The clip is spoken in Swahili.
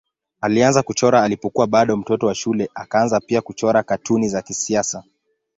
Alianza kuchora alipokuwa bado mtoto wa shule akaanza pia kuchora katuni za kisiasa.